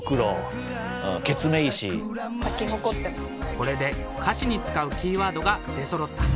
これで歌詞に使うキーワードが出そろった。